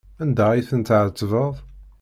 Anda ay ten-tɛettbeḍ?